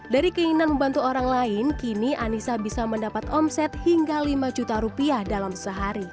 dari keinginan membantu orang lain kini anissa bisa mendapat omset hingga lima juta rupiah dalam sehari